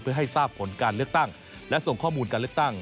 เพื่อให้ทราบผลการเลือกตั้งและส่งข้อมูลการเลือกตั้ง